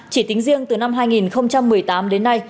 chỉ tính riêng từ năm hai nghìn một mươi tám đến nay